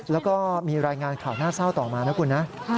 แล้วก็มีรายงานข่าวน่าเศร้าต่อมานะคุณนะ